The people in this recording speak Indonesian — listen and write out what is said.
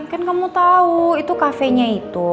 kan kamu tau itu cafe nya itu